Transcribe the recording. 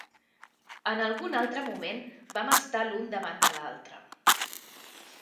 En algun altre moment vam estar l'un davant de l'altre.